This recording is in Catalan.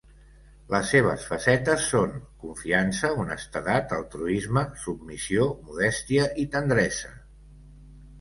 Les seves facetes són: confiança, honestedat, altruisme, submissió, modèstia i tendresa.